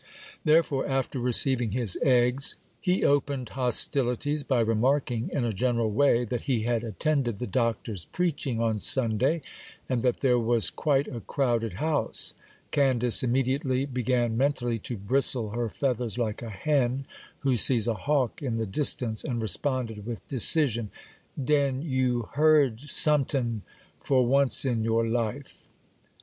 Therefore, after receiving his eggs, he opened hostilities by remarking, in a general way, that he had attended the Doctor's preaching on Sunday, and that there was quite a crowded house. Candace immediately began mentally to bristle her feathers like a hen who sees a hawk in the distance, and responded with decision:— 'Den you heard sometin', for once in your life!